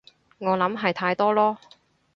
我諗係太多囉